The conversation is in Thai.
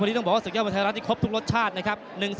ต้องบอกว่าเสกยาวมันไทยรัฐที่ครบทุกรสชาตินะครับ